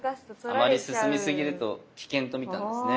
あまり進みすぎると危険とみたんですね。